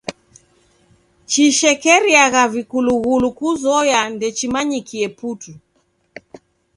Chishekeriagha vikulughulu kuzoya ndechimanyikie putu.